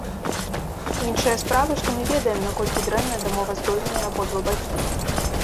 Іншая справа, што мы ведаем, наколькі дрэнна дамоваздольныя абодва бакі.